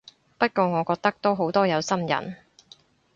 不過我覺得都好多有心人